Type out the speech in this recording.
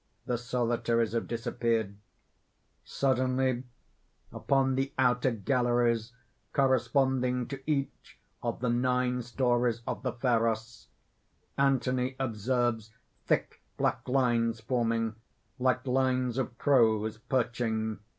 _ The Solitaries have disappeared. _Suddenly, upon the outer galleries corresponding to each of the nine stories of the Pharos, Anthony observes thick black lines forming, like lines of crows perching.